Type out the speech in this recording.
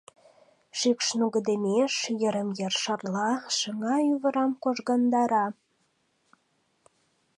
Шикш нугыдемеш, йырым-йыр шарла, шыҥа-ӱвырам кожгандара.